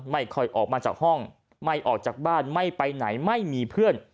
ไม่ค่อยออกมาจากห้องไม่ออกจากบ้านไม่ไปไหนไม่มีเพื่อน